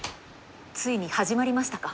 ついに始まりましたか。